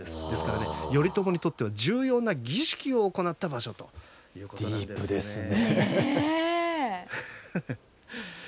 ですから頼朝にとっては重要な儀式を行った場所ということなんです。